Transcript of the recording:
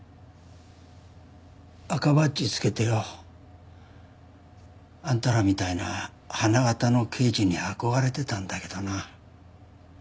赤バッジつけてよあんたらみたいな花形の刑事に憧れてたんだけどな。